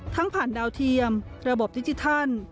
ผ่านดาวเทียมระบบดิจิทัล